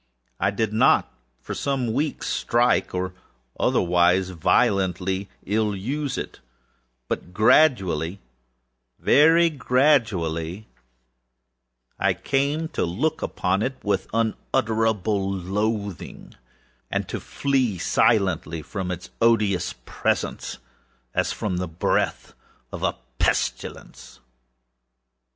I did not, for some weeks, strike, or otherwise violently ill use it; but graduallyâvery graduallyâI came to look upon it with unutterable loathing, and to flee silently from its odious presence, as from the breath of a pestilence.